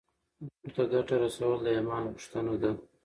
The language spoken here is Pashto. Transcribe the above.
نورو ته ګټه رسول د ایمان غوښتنه ده.